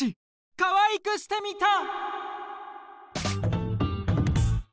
かわいくしてみた！